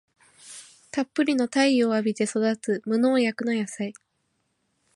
たっぷりの太陽を浴びて育つ無農薬の野菜